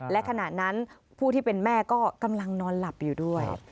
และขณะนั้นผู้ที่เป็นแม่ก็กำลังนอนหลับอยู่ด้วย